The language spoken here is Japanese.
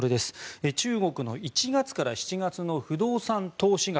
中国の１月から７月の不動産投資額